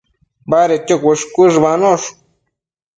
Badedquio cuësh-cuëshbanosh